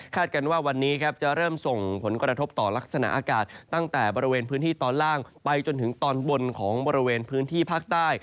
กันว่าวันนี้ครับจะเริ่มส่งผลกระทบต่อลักษณะอากาศตั้งแต่บริเวณพื้นที่ตอนล่างไปจนถึงตอนบนของบริเวณพื้นที่ภาคใต้